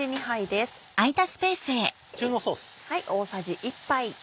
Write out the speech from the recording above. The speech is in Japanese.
中濃ソース。